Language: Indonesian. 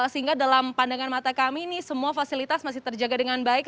sehingga dalam pandangan mata kami ini semua fasilitas masih terjaga dengan baik